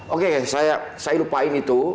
oke saya lupain itu